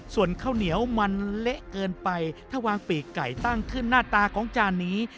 ส่วนข้าวเหนียวมันเละเกินไปถ้าวางปีกไก่ตั้งขึ้นหน้าตาของจานนี้